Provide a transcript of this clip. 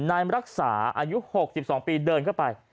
นายรักษาอายุ๖๒ปีเดินเข้าไป